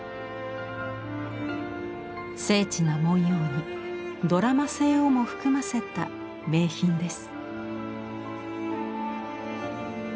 精緻な文様にドラマ性をも含ませた名品です。